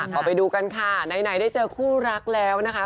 เอาไปดูกันค่ะไหนได้เจอคู่รักแล้วนะคะ